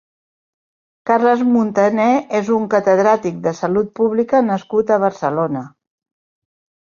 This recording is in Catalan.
Carles Muntaner és un catedràtic de salut pública nascut a Barcelona.